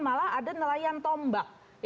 malah ada nelayan tombak